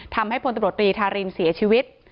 พลตำรวจรีธารินเสียชีวิต